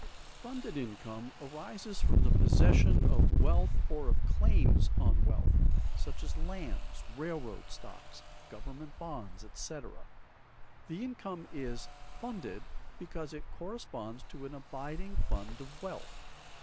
_ Funded income arises from the possession of wealth or of claims on wealth, such as lands, railroad stocks, government bonds, etc. The income is "funded" because it corresponds to an abiding fund of wealth.